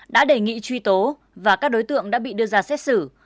đã đề nghị truy tố và các đối tượng đã bị đưa ra xét xử